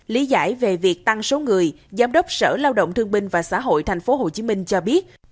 lý giải về việc tăng số người giám đốc sở lao động thương binh và xã hội tp hcm cho biết